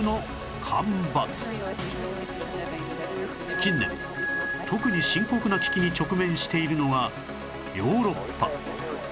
近年特に深刻な危機に直面しているのがヨーロッパ